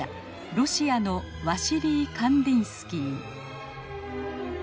ロシアのワシリー・カンディンスキー。